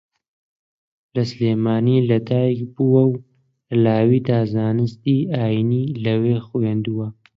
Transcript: لە سلێمانی لەدایکبووە و لە لاویدا زانستی ئایینی لەوێ خوێندووە